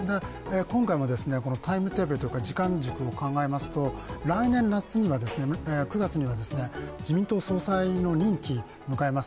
今回もタイムテーブルとか時間軸を考えますと来年夏、９月には自民党総裁の任期を迎えます。